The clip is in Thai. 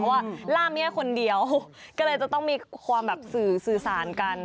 เพราะว่าล่ามี่คนเดียวก็เลยจะต้องมีความแบบสื่อสิรษะกัน